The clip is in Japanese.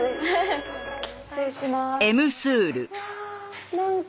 失礼します。